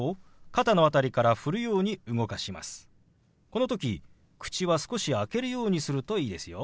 この時口は少し開けるようにするといいですよ。